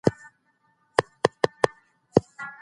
دولت به خپلي ټولي ستونزې حل کړې وي.